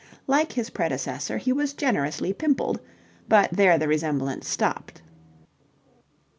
Like his predecessor he was generously pimpled, but there the resemblance stopped.